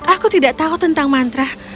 aku tidak tahu tentang mantra